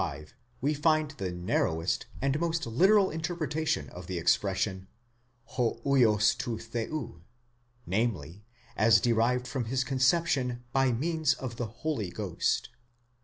In Luke i i, 35, we find the narrowest and most literal interpretation of the expression, ὁ vids τοῦ θεοῦ ; namely, as derived from his conception by means of the Holy Ghost.